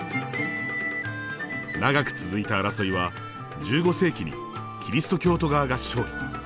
長く続いた争いは１５世紀にキリスト教徒側が勝利。